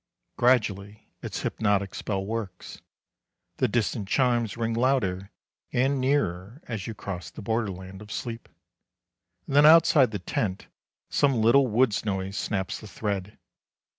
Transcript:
Gradually its hypnotic spell works. The distant chimes ring louder and nearer as you cross the borderland of sleep. And then outside the tent some little woods noise snaps the thread.